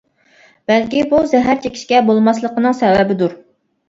بەلكى بۇ زەھەر چېكىشكە بولماسلىقىنىڭ سەۋەبىدۇر.